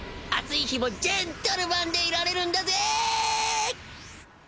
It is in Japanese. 暑い日もジェントルマンでいられるんだぜ！